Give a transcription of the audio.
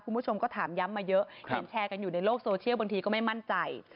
คุณผู้ชมก็ถามย้ำมาเยอะเห็นแชร์กันอยู่ในโลกโซเชียลบางทีก็ไม่มั่นใจ